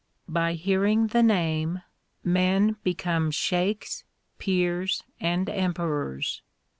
2 By hearing the Name men become Shaikhs, Pirs, and Emperors.